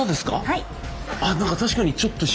はい。